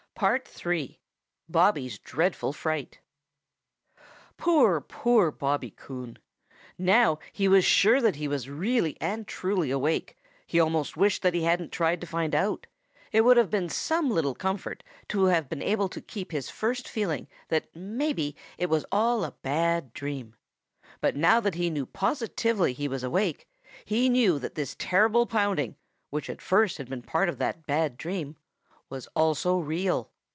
III. BOBBY'S DREADFUL FRIGHT |POOR, poor Bobby Coon. Now he was sure that he was really and truly awake, he almost wished that he hadn't tried to find out. It would have been some little comfort to have been able to keep his first feeling that maybe it was all a bad dream. But now that he knew positively he was awake, he knew that this terrible pounding, which at first had been part of that bad dream, was also real.